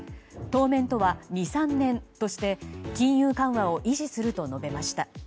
当面とは２３年として金融緩和を維持すると述べました。